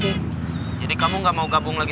kemudian kami akan menyebelah